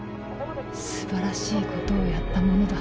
すばらしいことをやったものだ。